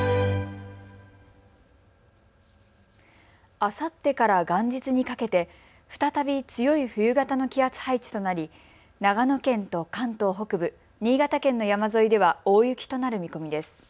あさってから元日にかけて再び強い冬型の気圧配置となり長野県と関東北部、新潟県の山沿いでは大雪となる見込みです。